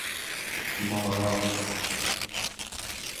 مارا